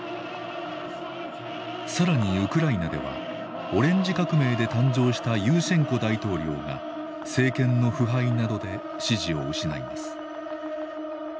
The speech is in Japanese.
更にウクライナではオレンジ革命で誕生したユーシェンコ大統領が政権の腐敗などで支持を失います。